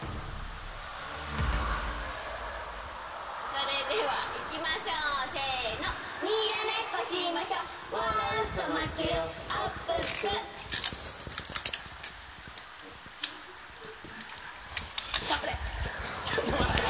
それではいきましょう。にらめっこしましょ笑うと負けよあっぷっぷちょっと待って。